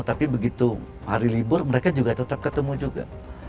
tapi begitu hari libur mereka juga tetap ketemu juga